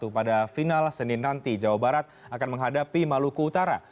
pada final senin nanti jawa barat akan menghadapi maluku utara